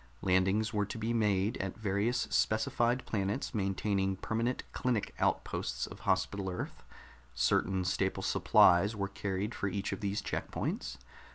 Landings were to be made at various specified planets maintaining permanent clinic outposts of Hospital Earth; certain staple supplies were carried for each of these check points.